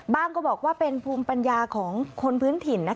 ก็บอกว่าเป็นภูมิปัญญาของคนพื้นถิ่น